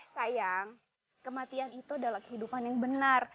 sayang kematian itu adalah kehidupan yang benar